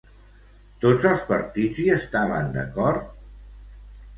Tots els partits hi estaven d'acord?